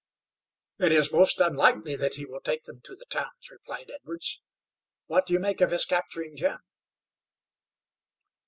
"It is most unlikely that he will take them to the towns," replied Edwards. "What do you make of his capturing Jim?"